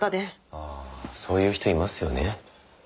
ああそういう人いますよね。